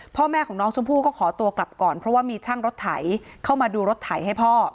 พ่อแม่ของน้องชมพู่ก็ขอตัวกลับก่อนเพราะว่ามีช่างรถไถเข้ามาดูรถไถให้พ่อ